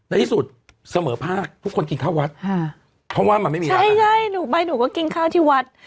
ในที่สุดเสมอภาคทุกคนกินข้าววัดเพราะว่ามันไม่มีใช่ใช่หนูไปหนูก็กินข้าวที่วัด